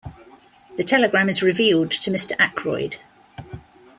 The telegram is revealed to Mr. Ackroyd.